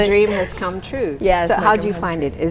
jadi bagaimana kamu menemukannya